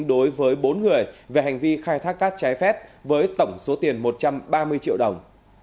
đối với bốn người về hành vi khai thác cát trái phép với tổng số tiền một trăm ba mươi triệu đồng